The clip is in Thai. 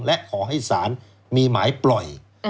และขอให้ศาลมีหมายปล่อย